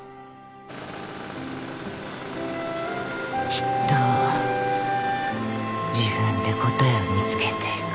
きっと自分で答えを見つけていく。